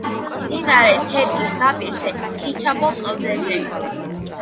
მდინარე თერგის ნაპირზე, ციცაბო კლდეზე.